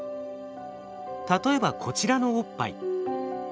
例えばこちらのおっぱい。